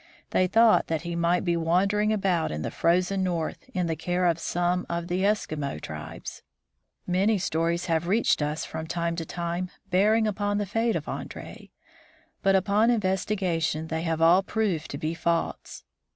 They thought that he might be wandering about in the Frozen North in the care of some of the ANDRfeE'S BALLOON EXPEDITION TO THE POLE 153 Eskimo tribes. Many stories have reached us from time to time bearing upon the fate of Andree, but upon investi gation they have all proved to be false.